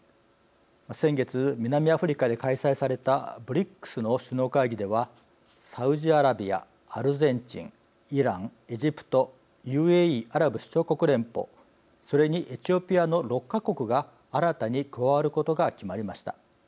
先月、南アフリカで開催されたＢＲＩＣＳの首脳会議ではサウジアラビア、アルゼンチンイラン、エジプトＵＡＥ＝アラブ首長国連邦それにエチオピアの６か国が新たに加わることが決まりました。